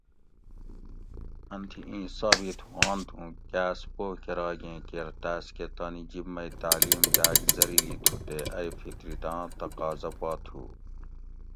ان تھی اِیں ثابت ہوانت اُوں کاۤس پو کۤراگیں کیر تاۤس کہ تانی جِب مئی تعلیم داۤگ ضریلی تُھو تے ائی فطرتاں تقاضہ پا تُھو